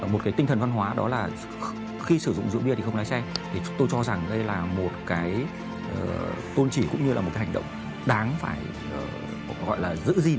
một cái tinh thần văn hóa đó là khi sử dụng rượu bia thì không lái xe tôi cho rằng đây là một cái tôn trì cũng như là một cái hành động đáng phải gọi là giữ gì